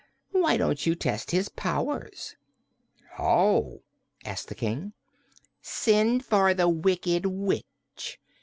Why don't you test his powers?" "How?" asked the King. "Send for the Wicked Witch.